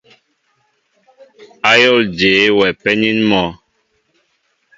Ayól jeé wɛ penin mɔ?